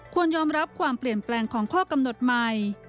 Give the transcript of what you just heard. ยอมรับความเปลี่ยนแปลงของข้อกำหนดใหม่